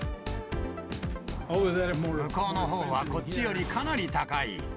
向こうのほうはこっちよりかなり高い。